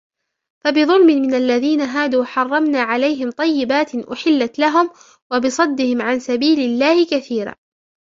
فبظلم من الذين هادوا حرمنا عليهم طيبات أحلت لهم وبصدهم عن سبيل الله كثيرا